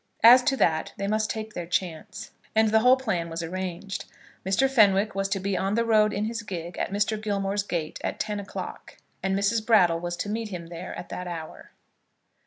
As to that they must take their chance. And the whole plan was arranged. Mr. Fenwick was to be on the road in his gig at Mr. Gilmore's gate at ten o'clock, and Mrs. Brattle was to meet him there at that hour.